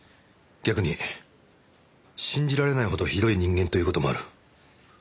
逆に信じられないほどひどい人間という事もある。